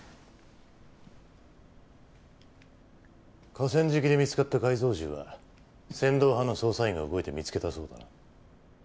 河川敷で見つかった改造銃は千堂派の捜査員が動いて見つけたそうだな。